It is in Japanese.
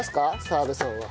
澤部さんは。